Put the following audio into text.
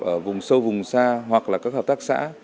ở vùng sâu vùng xa hoặc là các hợp tác xã